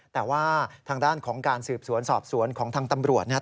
แต่ว่าทางด้านของการสืบสวนสอบสวนของทางตำรวจเนี่ย